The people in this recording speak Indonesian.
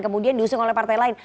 kemudian diusung oleh partai lain